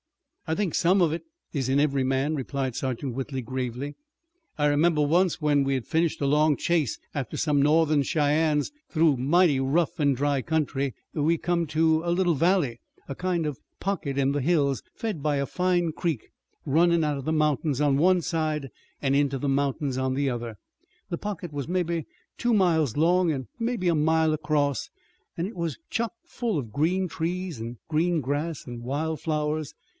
"I think some of it is in every man," replied Sergeant Whitley gravely. "I remember once that when we had finished a long chase after some Northern Cheyennes through mighty rough and dry country we came to a little valley, a kind of a pocket in the hills, fed by a fine creek, runnin' out of the mountains on one side, into the mountains on the other. The pocket was mebbe two miles long an' mebbe a mile across, an' it was chock full of green trees an' green grass, an' wild flowers.